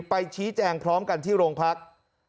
ไปชี้แจงพร้อมกันที่โรงพัก